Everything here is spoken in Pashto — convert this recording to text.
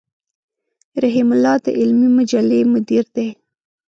رحيم الله د علمي مجلې مدير دی.